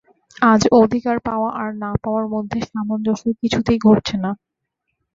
আজ অধিকার পাওয়া আর না-পাওয়ার মধ্যে সামঞ্জস্য কিছুতেই ঘটছে না।